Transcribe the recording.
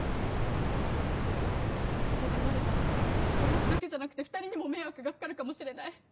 これがバレたら私だけじゃなくて２人にも迷惑がかかるかもしれない。